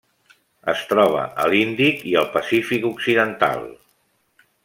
Es troba a l'Índic i al Pacífic occidental.